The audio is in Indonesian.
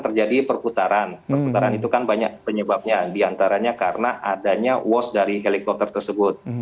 terjadi perputaran perputaran itu kan banyak penyebabnya diantaranya karena adanya wash dari helikopter tersebut